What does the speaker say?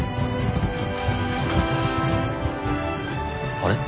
あれ？